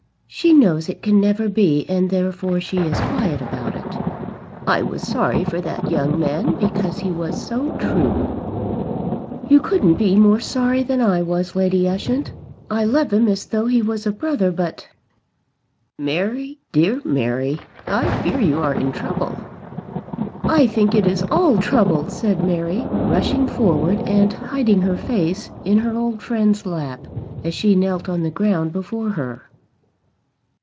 "She knows it can never be, and therefore she is quiet about it." "I was sorry for that young man, because he was so true." "You couldn't be more sorry than I was, Lady Ushant. I love him as though he were a brother. But " "Mary, dear Mary, I fear you are in trouble." "I think it is all trouble," said Mary, rushing forward and hiding her face in her old friend's lap as she knelt on the ground before her.